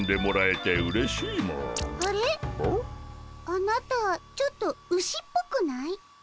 あなたちょっとウシっぽくない？